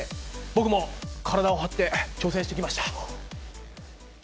僕も体を張って挑戦してきました。